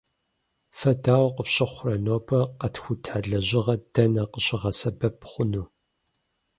Фэ дауэ къыфщыхъурэ, нобэ къэтхута лэжьыгъэр дэнэ къыщыбгъэсэбэп хъуну?